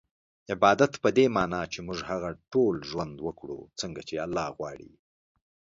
عبادت په دې مانا چي موږ هغه ډول ژوند وکړو څنګه چي الله غواړي